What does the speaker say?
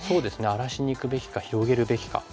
荒らしにいくべきか広げるべきか。